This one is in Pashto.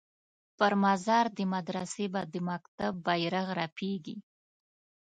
پر مزار د مدرسې به د مکتب بیرغ رپیږي